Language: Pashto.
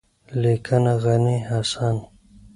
لیکنه: غني حسن